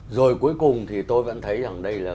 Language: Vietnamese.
rồi cuối cùng thì tôi vẫn thấy rằng đây là một cái